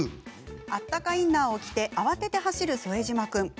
あったかインナーを着て慌てて走る副島君。